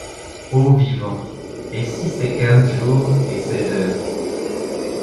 Ô vivants, et si c’est quinze jours et seize heures